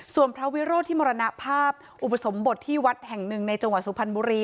ส่วนพระวิโรธที่มรณภาพอุปสมบทที่วัดแห่งหนึ่งในจังหวัดสุพรรณบุรี